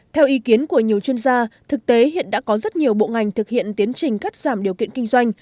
theo ý kiến của nhiều chuyên gia thực tế hiện đã có rất nhiều bộ ngành thực hiện tiến trình cắt giảm điều kiện kinh doanh